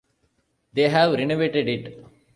They have renovated it.